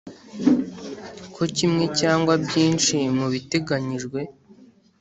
ko kimwe cyangwa byinshi mu biteganyijwe